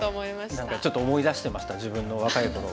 何かちょっと思い出してました自分の若い頃を。